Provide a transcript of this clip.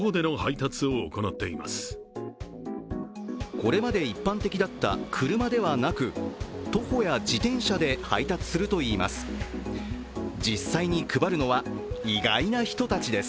これまで一般的だった車ではなく徒歩や自転車で配達するといいます。